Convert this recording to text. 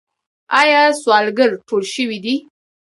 آیا سوالګر ټول شوي دي؟